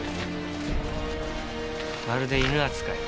まるで犬扱い。